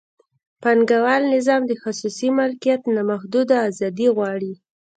پانګوال نظام د خصوصي مالکیت نامحدوده ازادي غواړي.